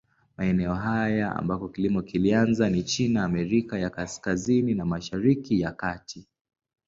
Maeneo haya ambako kilimo kilianza ni China, Amerika ya Kaskazini na Mashariki ya Kati.